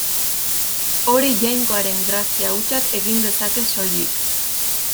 Hori Jainkoaren grazia hutsak egin dezake soilik.